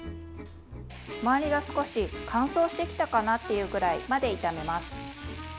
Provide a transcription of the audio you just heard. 周りが少し乾燥してきたかなというくらいまで炒めます。